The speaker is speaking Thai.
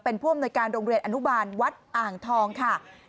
เป็นผู้อำนวยการโรงเรียนอนุบาลวัดอ่างทองค่ะ